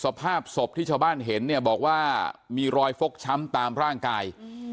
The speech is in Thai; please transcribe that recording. สภาพศพที่ชาวบ้านเห็นเนี่ยบอกว่ามีรอยฟกช้ำตามร่างกาย